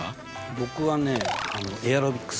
僕はねエアロビクス。